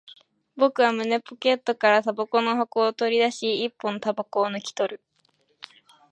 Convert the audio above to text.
僕は胸ポケットから煙草の箱を取り出し、一本煙草を抜き取る